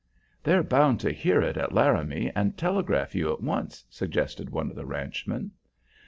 "They're bound to hear it at Laramie and telegraph you at once," suggested one of the ranchmen.